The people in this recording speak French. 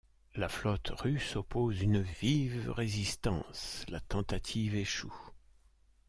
La flotte russe oppose une vive résistance, la tentative échoue.